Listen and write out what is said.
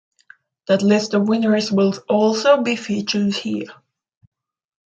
That list of winners will also be featured here.